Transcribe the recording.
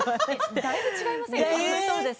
だいぶ違いませんか？